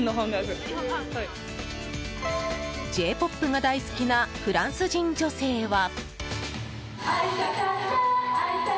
Ｊ‐ＰＯＰが大好きなフランス人女性は。